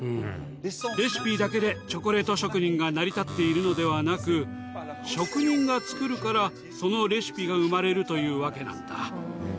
レシピだけでチョコレート職人が成り立っているのではなく職人が作るからそのレシピが生まれるというわけなんだ。